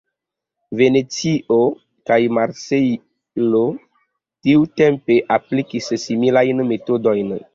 Venecio kaj Marsejlo tiutempe aplikis similajn metodojn.